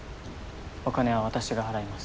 お金は私が払います。